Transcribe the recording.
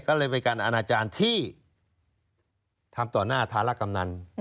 ก็เลยเป็นการอนาจารย์ที่ทำต่อหน้าธารกำนัน